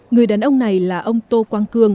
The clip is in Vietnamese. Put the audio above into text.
người đàn ông này là ông tô quang cương